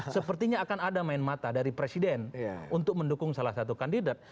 sepertinya akan ada main mata dari presiden untuk mendukung salah satu kandidat